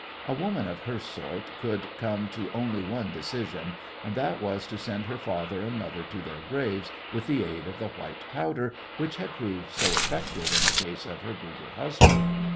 A woman of her sort could come to only one decision, and that was to send her father and mother to their graves with the aid of the white powder which had proved so effective in the case of her brutal husband.